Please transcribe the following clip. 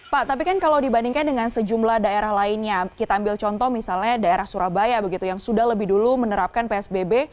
pak tapi kan kalau dibandingkan dengan sejumlah daerah lainnya kita ambil contoh misalnya daerah surabaya begitu yang sudah lebih dulu menerapkan psbb